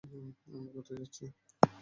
আমরা কোথায় যাচ্ছি?